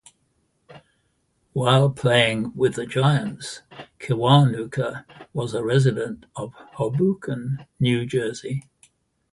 While playing with the Giants, Kiwanuka was a resident of Hoboken, New Jersey.